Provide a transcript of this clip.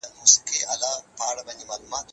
د جمعې لمونځ مه پرېږدئ.